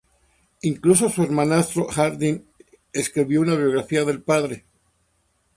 Incluso su hermanastro Hardin escribió una biografía del padre.